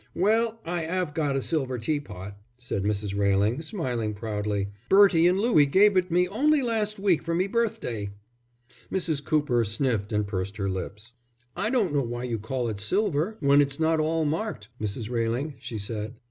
"Well, I 'ave got a silver tea pot," said Mrs. Railing, smiling proudly. "Bertie and Louie gave it me only last week for me birthday." Mrs. Cooper sniffed and pursed her lips. "I don't know why you call it silver, when it's not 'all marked, Mrs. Railing," she said.